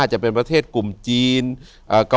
อยู่ที่แม่ศรีวิรัยิลครับ